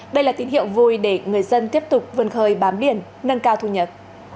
đây là tín hiệu vui để người dân tiếp tục vươn khơi bám điển nâng cao thu nhật